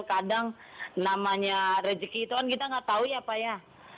kadang namanya rezeki itu kan kita nggak tahu ya pak ya